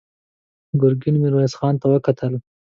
ګرګين ميرويس خان ته وکتل.